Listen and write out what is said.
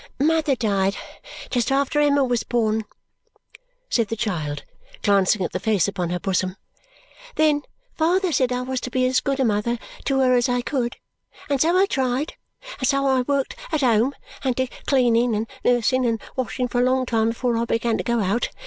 "Mother died just after Emma was born," said the child, glancing at the face upon her bosom. "Then father said I was to be as good a mother to her as I could. And so I tried. And so I worked at home and did cleaning and nursing and washing for a long time before I began to go out.